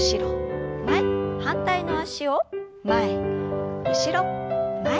反対の脚を前後ろ前。